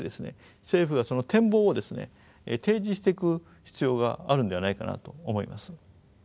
政府がその展望を提示していく必要があるんではないかなと思います。